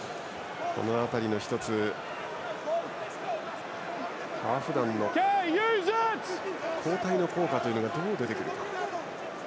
この辺りも１つ、ハーフ団の交代の効果がどう出てくるか。